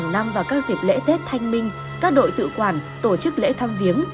hàng năm vào các dịp lễ tết thanh minh các đội tự quản tổ chức lễ thăm viếng